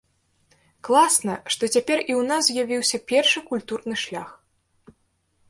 Класна, што цяпер і ў нас з'явіўся першы культурны шлях.